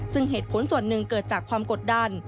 ซึ่งเหตุผลส่วนหนึ่งเกิดจากความกดดัน